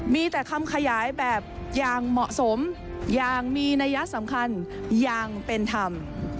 มีแต่คำขยายแบบอย่างเหมาะสมอย่างมีนัยสำคัญอย่างเป็นธรรม